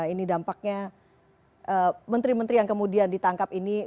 ini dampaknya menteri menteri yang kemudian ditangkap ini